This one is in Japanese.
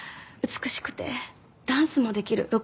美しくてダンスもできる。